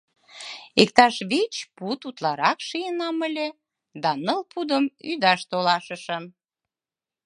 Иктаж вич пуд утларак шийынам ыле да ныл пудым ӱдаш толашышым...